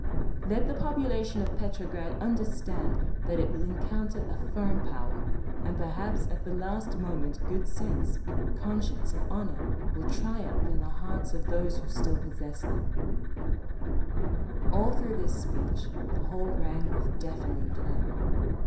… "Let the population of Petrograd understand that it will encounter a firm power, and perhaps at the last moment good sense, conscience and honour will triumph in the hearts of those who still possess them…." All through this speech, the hall rang with deafening clamour.